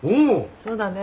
そうだね。